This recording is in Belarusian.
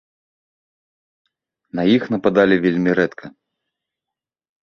На іх нападалі вельмі рэдка.